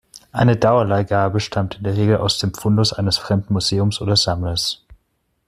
Eine "Dauerleihgabe" stammt in der Regel aus dem Fundus eines fremden Museums oder Sammlers.